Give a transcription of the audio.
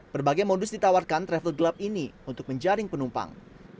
berbagai modus ditawarkan travel glab ini untuk menjaring penumpang